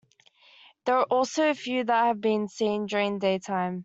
There are also a few that have been seen during daytime.